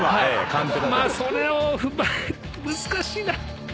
それを踏まえ難しいな。